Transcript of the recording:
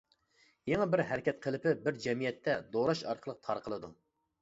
يېڭى بىر ھەرىكەت قېلىپى بىر جەمئىيەتتە دوراش ئارقىلىق تارقىلىدۇ.